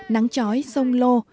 nắng chói sông lô